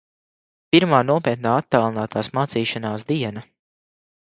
Pirmā nopietnā attālinātās mācīšanās diena...